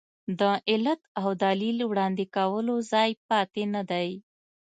د علت او دلیل وړاندې کولو ځای پاتې نه دی.